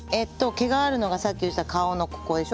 毛があるのがさっき言ってた顔のここでしょ